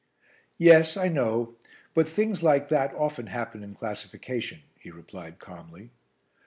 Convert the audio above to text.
"Yes, I know; but things like that often happen in classification," he replied calmly.